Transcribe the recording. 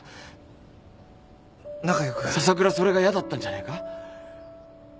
笹倉それがやだったんじゃねえか？